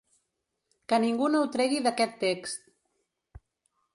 Que ningú no ho tregui d’aquest text.